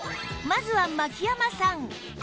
まずは牧山さん